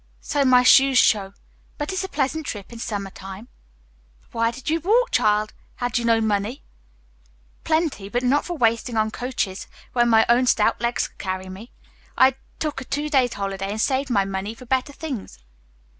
"So my shoes show; but it's a pleasant trip in summer time." "But why did you walk, child! Had you no money?" "Plenty, but not for wasting on coaches, when my own stout legs could carry me. I took a two days' holiday and saved my money for better things."